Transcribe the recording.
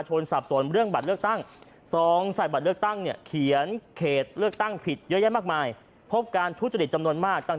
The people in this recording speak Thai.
สอนสอนจริงผมต้องสงสัยแล้วเอ๊ะมันทำไมเข้าไปมีทุกแหละเพ้ออมกันที่เขตสอง